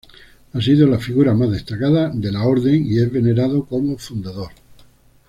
Ha sido la figura más destacada de la Orden y es venerado como fundador.